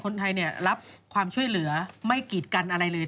คนไทยเนี่ยรับความช่วยเหลือไม่กีดกันอะไรเลย